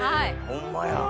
ホンマや。